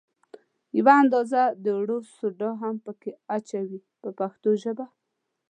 یوه اندازه د اوړو سوډا هم په کې اچوي په پښتو ژبه.